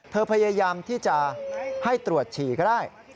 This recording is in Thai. พยายามที่จะให้ตรวจฉี่ก็ได้